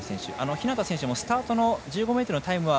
日向選手はスタートの１５ｍのタイムは。